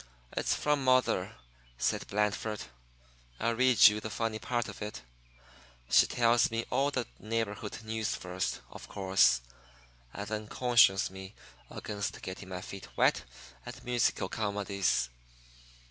"It's from mother," said Blandford. "I'll read you the funny part of it. She tells me all the neighborhood news first, of course, and then cautions me against getting my feet wet and musical comedies.